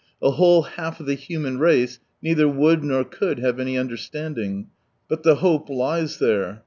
A whole half of the human race neither would nor could have any understanding ! But the hope lies there.